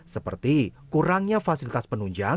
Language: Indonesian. seperti kurangnya fasilitas penuhi kemampuan